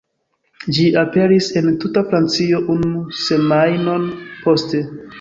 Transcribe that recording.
Ĝi aperis en tuta Francio unu semajnon poste.